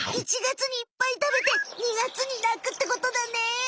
１月にいっぱい食べて２月になくってことだね！